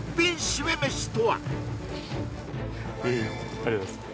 ありがとうございます